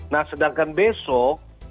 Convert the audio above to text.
nah sedangkan besok